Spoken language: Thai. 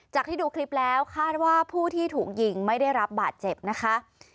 ที่ดูคลิปแล้วคาดว่าผู้ที่ถูกยิงไม่ได้รับบาดเจ็บนะคะ